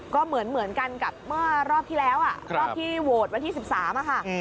ก็เหมือนกันกับเมื่อรอบที่แล้วรอบที่โหวตวันที่๑๓ค่ะ